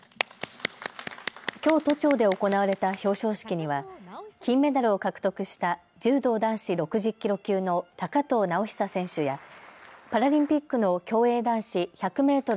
きょう都庁で行われた表彰式には金メダルを獲得した柔道男子６０キロ級の高藤直寿選手やパラリンピックの競泳男子１００メートル